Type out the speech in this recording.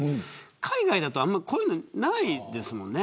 海外だとあんまりこういうのないですもんね。